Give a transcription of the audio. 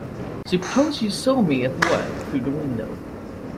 Suppose you saw me at work through the window.